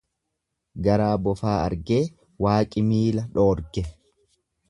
Garaa bofaa argee waaqi miila dhoorge.